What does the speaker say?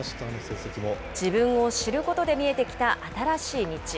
自分を知ることで見えてきた新しい道。